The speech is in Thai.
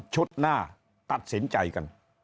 หน้าตัดสินใจกัน